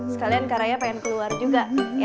sekalian kak raya pengen keluar juga